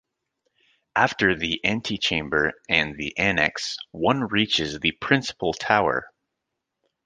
After the antechamber and the annex, one reaches the principal tower.